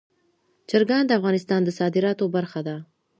چرګان د افغانستان د صادراتو برخه ده.